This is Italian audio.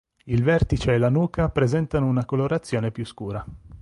Il vertice e la nuca presentano una colorazione più scura.